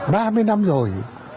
ba mươi năm rồi